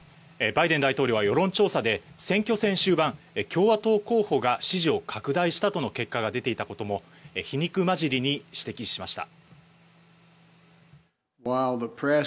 バイデン大統領は世論調査で選挙戦終盤、共和党候補が支持を拡大したとの結果が出ていたことも皮肉まじりに指摘しました。